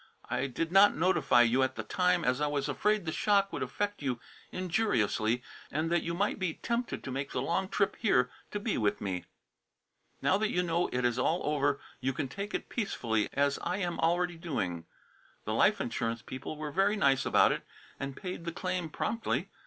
I did not notify you at the time as I was afraid the shock would affect you injuriously and that you might be tempted to make the long trip here to be with me. Now that you know it is all over, you can take it peacefully, as I am already doing. The life insurance people were very nice about it and paid the claim promptly.